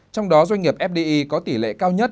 trong đó doanh nghiệp fdi có tỷ lệ cao nhất